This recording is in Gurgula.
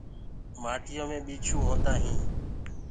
مآٽو مي ٻيڇو هوندآ هودآ هينٚ۔